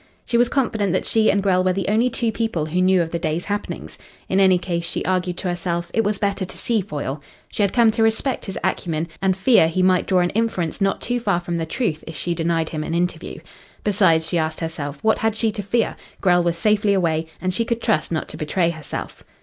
She was confident that she and Grell were the only two people who knew of the day's happenings. In any case, she argued to herself, it was better to see Foyle. She had come to respect his acumen, and fear he might draw an inference not too far from the truth if she denied him an interview. Besides, she asked herself, what had she to fear? Grell was safely away, and she could trust not to betray herself.